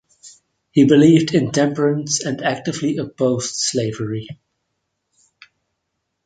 He believed in temperance and actively opposed slavery.